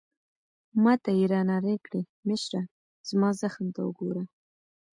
ما ته يې رانارې کړې: مشره، زما زخم ته وګوره.